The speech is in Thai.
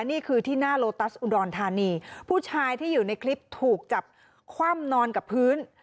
นี่คือที่หน้าโลตัสอุดรธานีผู้ชายที่อยู่ในคลิปถูกจับคว่ำนอนกับพื้น